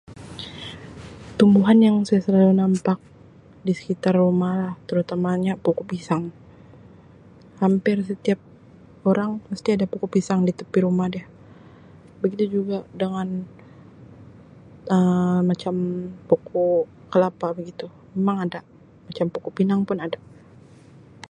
Tumbuhan yang saya selalu nampak di sekitar rumah terutamanya pokok pisang hampir setiap orang mesti ada pokok pisang di tepi rumah dia begitu juga dengan Um macam pokok kelapa begitu memang ada macam pokok pinang pun ada.